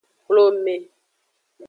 Hlome.